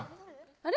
あれ？